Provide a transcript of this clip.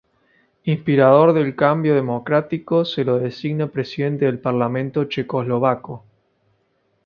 Inspirador del cambio democrático, se lo designa presidente del Parlamento checoslovaco.